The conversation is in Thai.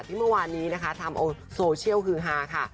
เมื่อวานนี้นะคะทำเอาโซเชียลฮือฮาค่ะ